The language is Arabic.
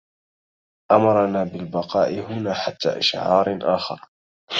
أُمرنا بالبقاء هنا حتى إشعار آخر.